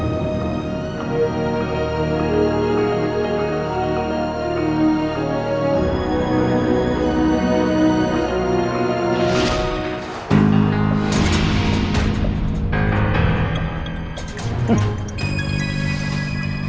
aku akan bantu pak